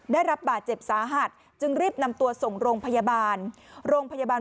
ได้รับบาดเจ็บสาหัสจึงรีบนำตัวส่งโรงพยาบาลโรงพยาบาล